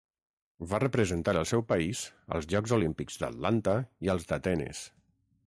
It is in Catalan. Va representar el seu país als Jocs Olímpics d'Atlanta i als d'Atenes.